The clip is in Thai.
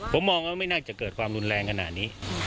ผมมองว่าไม่น่าจะเกิดความรุนแรงขนาดนี้